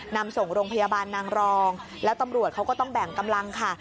นำส่งโรงพยาบาลนางรองแล้วตำรวจเขาก็ต้องแบ่งกำลังค่ะ